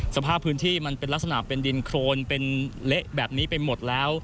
สภาพพื้นที่มันเป็นลักษณะเป็นดินโครนเป็นเละแบบนี้ไปหมดแล้ว